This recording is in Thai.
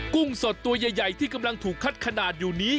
กุ้งสดตัวใหญ่ที่กำลังถูกคัดขนาดอยู่นี้